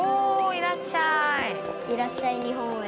いらっしゃい日本へ。